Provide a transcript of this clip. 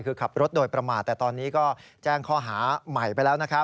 คือขับรถโดยประมาทแต่ตอนนี้ก็แจ้งข้อหาใหม่ไปแล้วนะครับ